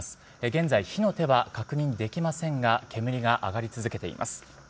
現在、火の手は確認できませんが煙が上がり続けています。